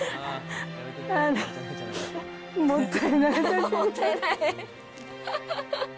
もったいない。